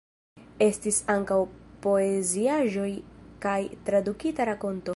Estis ankaŭ poeziaĵoj kaj tradukita rakonto.